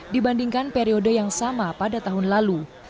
dibandingkan periode yang sama pada tahun lalu